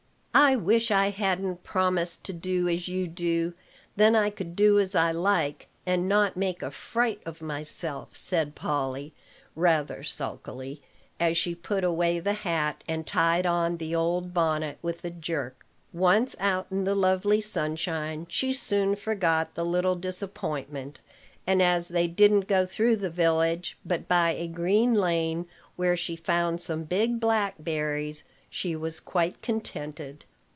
"I wish I hadn't promised to do as you do; then I could do as I like, and not make a fright of myself," said Polly, rather sulkily, as she put away the hat, and tied on the old bonnet with a jerk. Once out in the lovely sunshine, she soon forgot the little disappointment; and, as they didn't go through the village, but by a green lane, where she found some big blackberries, she was quite contented.